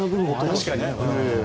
確かにね。